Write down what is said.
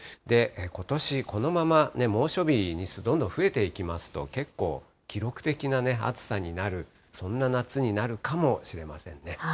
ことしこのまま猛暑日日数、どんどん増えていきますと、結構、記録的な暑さになる、そんな夏になるかもしれませんね。